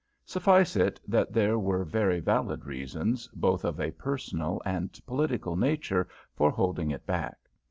Suffice it that there were very valid reasons, both of a personal and political nature, for holding it back.